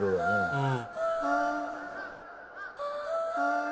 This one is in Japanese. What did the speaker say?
うん。